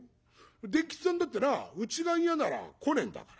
伝吉っつぁんだってなうちが嫌なら来ねえんだから。